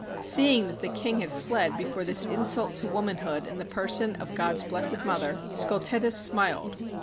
Seeing that the king had fled before this insult to womanhood in the person of God's Blessed Mother, Scultetus smiled.